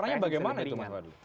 nah caranya bagaimana itu mas fadli